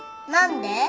何で？